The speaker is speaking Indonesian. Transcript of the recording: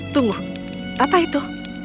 tunggu apa itu